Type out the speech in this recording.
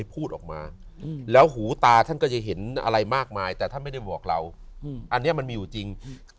พูดออกมาแล้วหูตาท่านก็จะเห็นอะไรมากมายแต่ท่านไม่ได้บอกเราอันนี้มันมีอยู่จริง